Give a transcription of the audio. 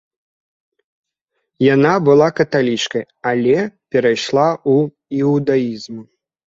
Яна была каталічкай, але перайшла ў іўдаізм.